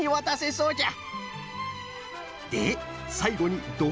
こうじゃ！